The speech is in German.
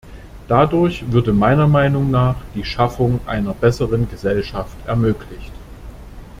Dadurch würde meiner Meinung nach die Schaffung einer besseren Gesellschaft ermöglicht.